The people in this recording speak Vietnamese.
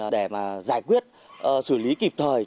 để mà giải quyết xử lý kịp thời